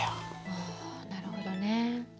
あなるほどね。